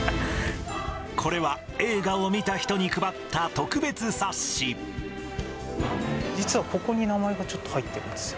これは映画を見た人に配った実はここに名前がちょっと入ってるんですよ。